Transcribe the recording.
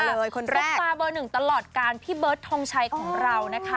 ซุปตาเบอร์หนึ่งตลอดการพี่เบิร์ดทงชัยของเรานะคะ